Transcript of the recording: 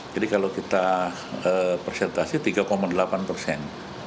jadi kalau kita persentase tiga delapan persen